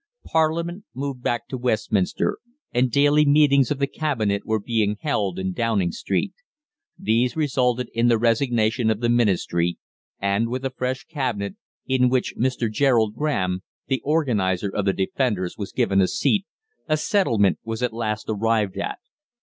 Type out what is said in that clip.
Parliament moved back to Westminster, and daily meetings of the Cabinet were being held in Downing Street. These resulted in the resignation of the Ministry, and with a fresh Cabinet, in which Mr. Gerald Graham, the organiser of the Defenders, was given a seat, a settlement was at last arrived at.